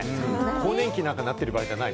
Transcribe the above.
更年期になっている場合じゃない。